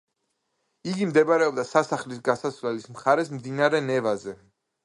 იგი მდებარეობდა სასახლის გასასვლელის მხარეს მდინარე ნევაზე.